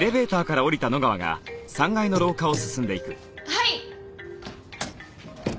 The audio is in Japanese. はい。